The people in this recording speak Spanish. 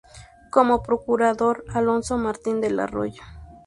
Como procurador, a Alonso Martín del Arroyo.